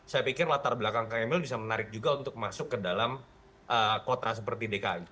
saya pikir latar belakang kang emil bisa menarik juga untuk masuk ke dalam kota seperti dki